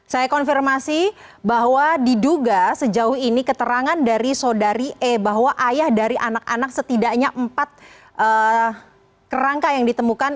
saya konfirmasi bahwa diduga sejauh ini keterangan dari saudari e bahwa ayah dari anak anak setidaknya empat kerangka yang ditemukan